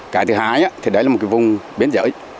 cái thứ hai thì đấy là một cái vùng biên giới